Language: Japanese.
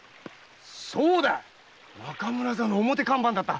そうだ中村座の表看板だった。